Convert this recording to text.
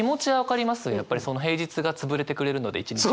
やっぱり平日が潰れてくれるので１日分。